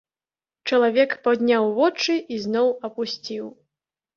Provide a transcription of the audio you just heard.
Чалавек падняў вочы і зноў апусціў.